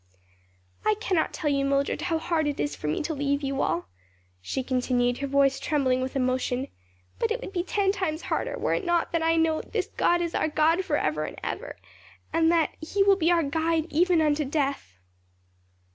"I can not tell you, Mildred, how hard it is for me to leave you all," she continued, her voice trembling with emotion, "but it would be ten times harder were it not that I know 'this God is our God forever and ever;' and that 'he will be our guide even unto death.'"